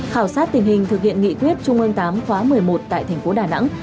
khảo sát tình hình thực hiện nghị quyết trung ương tám khóa một mươi một tại thành phố đà nẵng